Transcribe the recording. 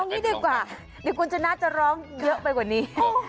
เอางี้ดีกว่าคุณชนะน่าจะร้องเยอะไปกว่านี้